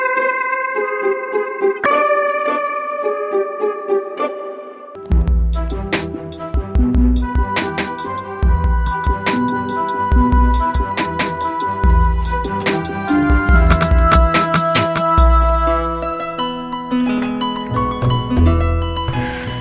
tidak ada yang tahu